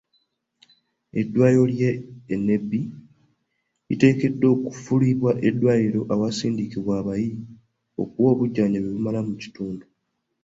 Eddwaliro ly'e Nebbi liteekeddwa okufuulibwa eddwaliro awasindikirwa abayi okuwa obujjanjabi obumala mu kitundu.